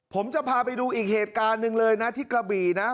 ผมจะพาไปดูอีกเหตุการณ์หนึ่งเลยนะที่กระบี่นะ